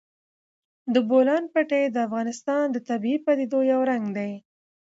د بولان پټي د افغانستان د طبیعي پدیدو یو رنګ دی.